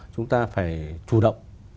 chúng ta phải chủ động